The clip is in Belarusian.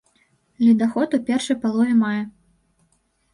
Ледаход у першай палове мая.